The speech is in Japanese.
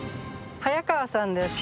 早川さんです。